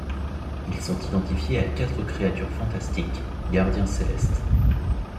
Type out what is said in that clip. Ils sont identifiés à quatre créatures fantastiques, gardiens célestes.